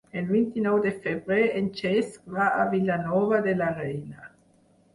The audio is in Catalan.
El vint-i-nou de febrer en Cesc va a Vilanova de la Reina.